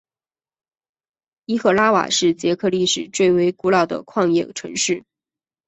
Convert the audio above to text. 伊赫拉瓦是捷克历史最为古老的矿业城市。